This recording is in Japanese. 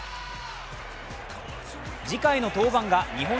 次回の登板が日本